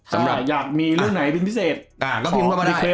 ถ้าอยากมีเรื่องไหนผิดพิเศษ